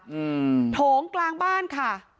เมืองนะคะโถงกลางบ้านค่ะ